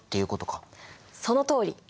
そのとおり！